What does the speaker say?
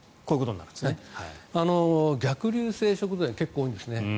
逆流性食道炎って結構多いんですね。